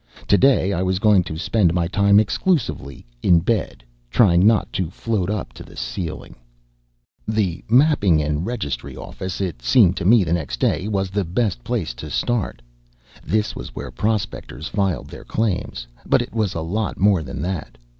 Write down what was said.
Today, I was going to spend my time exclusively in bed, trying not to float up to the ceiling. The Mapping & Registry Office, it seemed to me the next day, was the best place to start. This was where prospectors filed their claims, but it was a lot more than that.